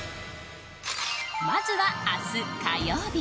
まずは明日、火曜日。